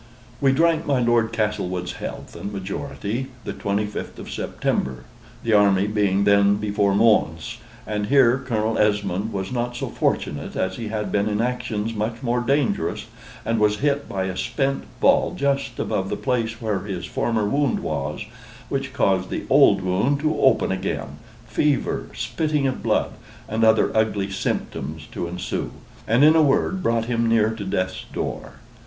We drank my Lord Castlewood's health and majority, the 25th of September, the army being then before Mons: and here Colonel Esmond was not so fortunate as he had been in actions much more dangerous, and was hit by a spent ball just above the place where his former wound was, which caused the old wound to open again, fever, spitting of blood, and other ugly symptoms, to ensue; and, in a word, brought him near to death's door.